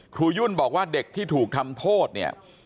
ยุ่นบอกว่าเด็กที่ถูกทำโทษเนี่ย